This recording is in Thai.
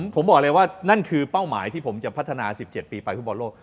ผมบอกเลยว่านั่นคือเป้าหมายที่ผมจะพัฒนา๑๗ปีไปฟุตบอลโลก